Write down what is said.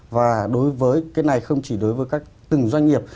và đối với cái này không chỉ đối với các từng doanh nghiệp